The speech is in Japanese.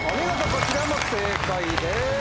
こちらも正解です。